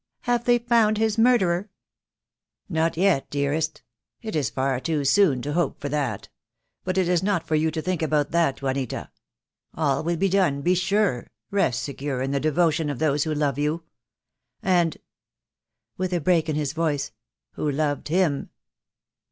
"Have they found his murderer?" "Not yet, dearest. It is far too soon to hope for that. But it is not for you to think about that, Juanita. All will be done— be sure — rest secure in the devotion of those who love you; and " with a break in his voice, "who loved him."